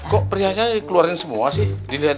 kok pria aja dikeluarin semua sih